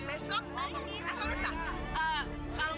besok atau lusa